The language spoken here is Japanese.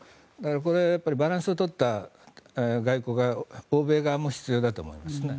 これ、バランスを取った外交が欧米側も必要だと思いますね。